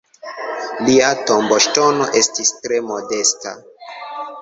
Lia tomboŝtono estis tre modesta.